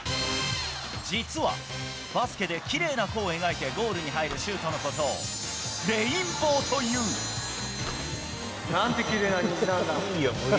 実は、バスケできれいな弧を描いてゴールに入るシュートのことを、なんてきれいな虹なんだ。